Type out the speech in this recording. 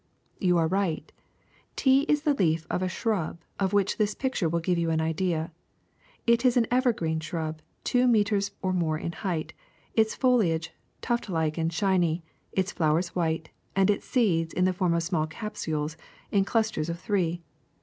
*' You are right : tea is the leaf of a shrub of which this picture will give you an idea. It is an ever green shrub, two meters or more in height, its foliage tuftlike and shiny, its flowers white, and its seeds in the form of small capsules in clusters of three.